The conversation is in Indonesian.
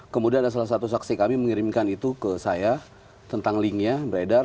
kemudian ada salah satu saksi kami mengirimkan itu ke saya tentang linknya beredar